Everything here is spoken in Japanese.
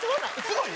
すごない？